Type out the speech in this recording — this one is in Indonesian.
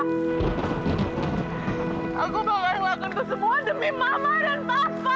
aku bakal melakukan itu semua demi mama dan papa